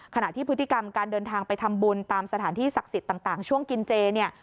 ขณะที่พฤติกรรมการเดินทางไปทำบุญตามสถานที่ศักดิ์สิทธิ์ต่างช่วงกินเจเนี่ย